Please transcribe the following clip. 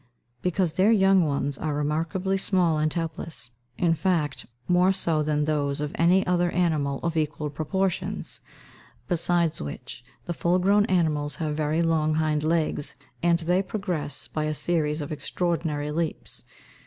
_ Because their young ones are remarkably small and helpless; in fact, more so than those of any other animal of equal proportions. Besides which, the full grown animals have very long hind legs, and they progress by a series of extraordinary leaps.